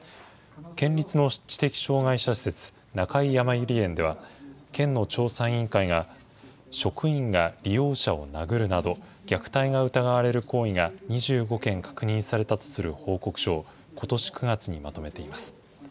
県立の知的障害者施設、中井やまゆり園では、県の調査委員会が職員が利用者を殴るなど、虐待が疑われる行為が２５件確認されたとする報告書を、ことし９月にまとめています。